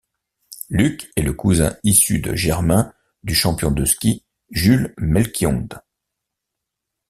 Luc est le cousin issu de germain du champion de ski Jules Melquiond.